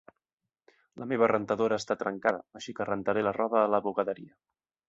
La meva rentadora està trencada, així que rentaré la roba a la bugaderia.